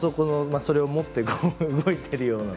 それを持って動いているような。